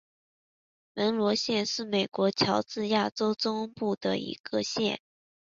门罗县是美国乔治亚州中部的一个县。